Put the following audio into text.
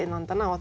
私